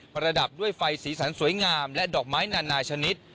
ประดับด้วยไฟสีสันสวยงามและดอกไม้นานาชนิด